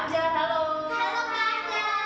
aja salam pernah ya